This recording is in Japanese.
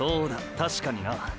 確かにな。